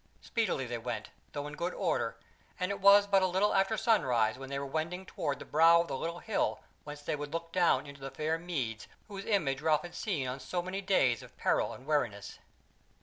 Speedily they went, though in good order, and it was but a little after sunrise when they were wending toward the brow of the little hill whence they would look down into the fair meads whose image Ralph had seen on so many days of peril and weariness.